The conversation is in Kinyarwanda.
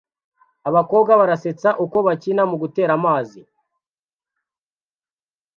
Abakobwa barasetsa uko bakina mu gutera amazi